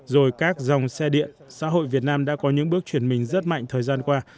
rồi các dòng xe điện xã hội việt nam đã có những bước chuyển mình rất mạnh thời gian qua